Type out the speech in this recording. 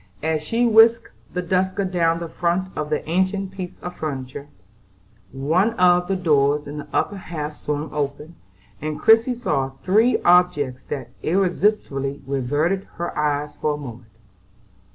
As she whisked the duster down the front of the ancient piece of furniture, one of the doors in the upper half swung open, and Christie saw three objects that irresistibly riveted her eyes for a moment.